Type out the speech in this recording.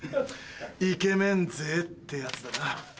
イケメン税ってやつだな。